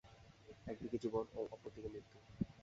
একদিকে জীবন, অপরদিকে মৃত্যু।